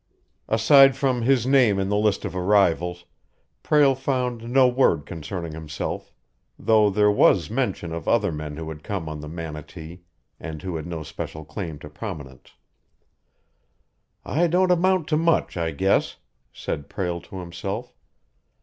Aside from his name in the list of arrivals, Prale found no word concerning himself, though there was mention of other men who had come on the Manatee, and who had no special claim to prominence. "I don't amount to much, I guess," said Prale to himself.